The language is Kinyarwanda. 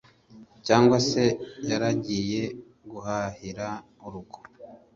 cyangwa se yaragiye guhahira urugo.